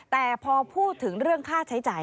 แต่พอพูดถึงเรื่องค่าใช้จ่าย